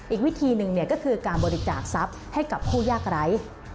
อีกวิธีหนึ่งก็คือการบริจาคทรัพย์ให้กับผู้ยากไร้